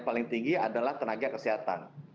paling tinggi adalah tenaga kesehatan